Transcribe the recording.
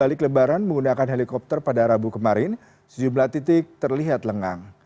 balik lebaran menggunakan helikopter pada rabu kemarin sejumlah titik terlihat lengang